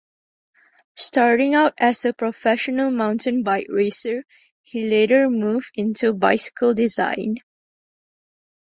Starting out as a professional mountain bike racer, he later moved into bicycle design.